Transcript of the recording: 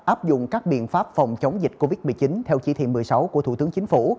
áp dụng các biện pháp phòng chống dịch covid một mươi chín theo chỉ thị một mươi sáu của thủ tướng chính phủ